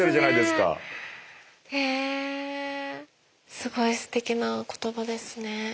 すごいすてきな言葉ですね。